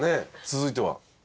続いては？